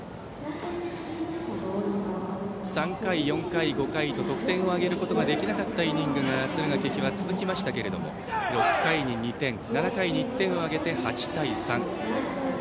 ３回、４回、５回と得点を挙げることができなかったイニングが敦賀気比は続きましたけども６回に２点７回に１点を挙げて８対３。